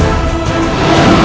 aku tidak mau berpikir seperti itu